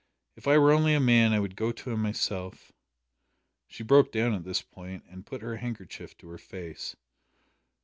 If I were only a man I would go to him myself." She broke down at this point, and put her handkerchief to her face.